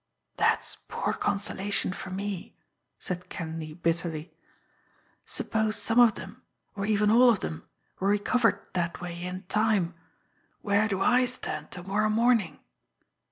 "That's poor consolation for me," said Kenleigh bitterly. "Suppose some of them, or even all of them, were recovered that way in time where do I stand to morrow morning?"